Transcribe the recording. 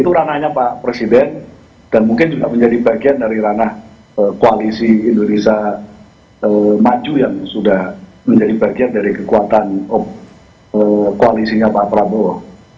itu ranahnya pak presiden dan mungkin juga menjadi bagian dari ranah koalisi indonesia maju yang sudah menjadi bagian dari kekuatan koalisinya pak prabowo